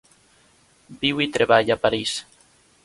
Viu i treballa a París.